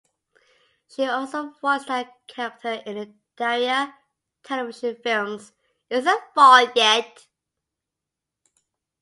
She also voiced that character in the "Daria" television films "Is It Fall Yet?